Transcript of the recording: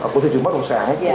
của thị trường bất động sản